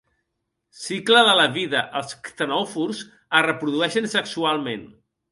Cicle de la vida: els ctenòfors es reprodueixen sexualment.